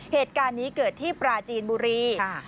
เหตุการณ์นี้เกิดที่ปราจีนบุรี